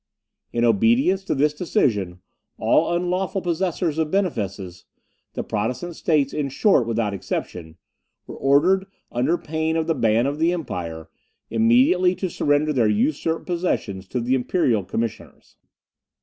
In obedience to this decision, all unlawful possessors of benefices the Protestant states in short without exception were ordered, under pain of the ban of the empire, immediately to surrender their usurped possessions to the imperial commissioners.